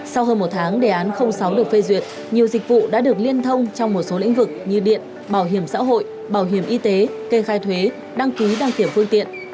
sau hơn một tháng đề án sáu được phê duyệt nhiều dịch vụ đã được liên thông trong một số lĩnh vực như điện bảo hiểm xã hội bảo hiểm y tế kê khai thuế đăng ký đăng kiểm phương tiện